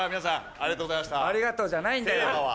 ありがとうじゃないんだよ。